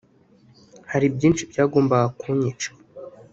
Hari byinshi byagombaga kunyica